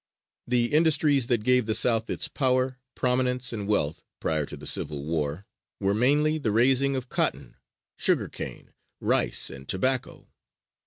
The industries that gave the South its power, prominence and wealth prior to the Civil War were mainly the raising of cotton, sugar cane, rice and tobacco.